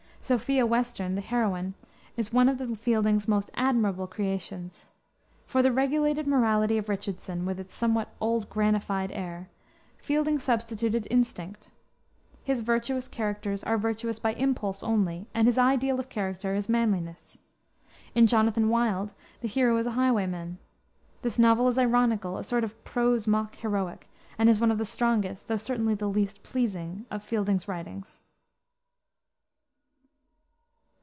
Sophia Western, the heroine, is one of Fielding's most admirable creations. For the regulated morality of Richardson, with its somewhat old grannified air, Fielding substituted instinct. His virtuous characters are virtuous by impulse only, and his ideal of character is manliness. In Jonathan Wild the hero is a highwayman. This novel is ironical, a sort of prose mock heroic, and is one of the strongest, though certainly the least pleasing, of Fielding's writings.